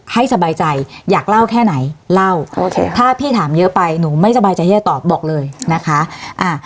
ให้สบายใจอยากเล่าแค่ไหนเล่าโอเคถ้าพี่ถามเยอะไปหนูไม่สบายใจที่จะตอบบอกเลยนะคะ